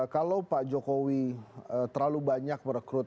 kalau pak jokowi terlalu banyak merekrut